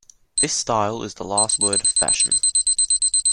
This style is the last word of fashion.